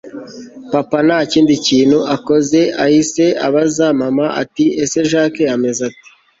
papa ntakindi kintu akoze ahise abaza mama ati ese jack ameze ate!